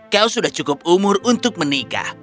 kau sudah cukup umur untuk menikah